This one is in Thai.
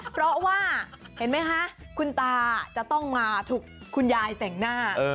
เพราะว่าเห็นไหมคะคุณตาจะต้องมาถูกคุณยายแต่งหน้า